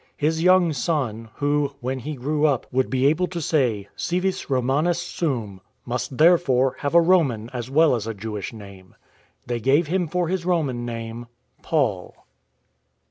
His young son, who, when he grew up, would be able to say, " Civis Romanus sum," must, therefore, have a Roman as well as a Jewish name. They gave him for his Roman name —" Paul."